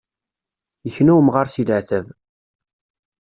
Yekna umɣar si leɛtab.